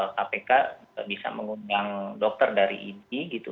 ppatk bisa mengundang dokter dari idi gitu